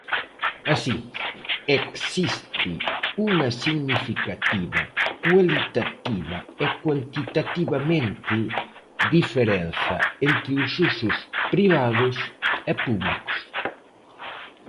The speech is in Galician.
Así, existe unha significativa, cualitativa e cuantitativamente, diferenza entre os usos privados e públicos.